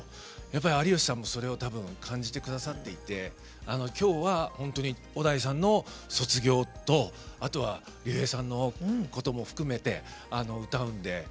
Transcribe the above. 有吉さんも、それを感じてくださっていて今日は本当に小田井さんの卒業とあとは、竜兵さんのことも含めて歌うので。